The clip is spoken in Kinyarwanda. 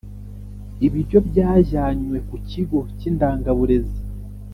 ibiryo byajyanywe ku kigo cy indangaburezi